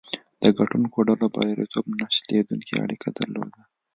د ګټونکو ډلو بریالیتوب نه شلېدونکې اړیکه درلوده.